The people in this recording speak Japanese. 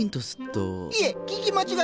いえ聞き間違いですよ。